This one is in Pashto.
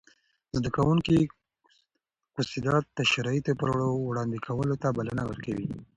زده کوونکي کوسيدات د شرایطو وړاندې کولو ته بلنه ورکوي.